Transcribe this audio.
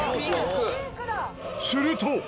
すると。